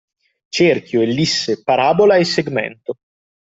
Cerchio, ellisse, parabola e segmento.